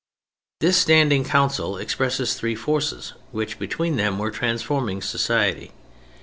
This standing Council expresses three forces, which between them, were transforming society.